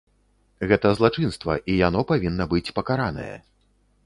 Гэта злачынства, і яно павінна быць пакаранае.